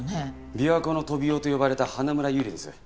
琵琶湖のトビウオと呼ばれた花村友梨です。